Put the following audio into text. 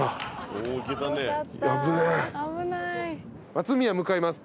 松美家向かいます。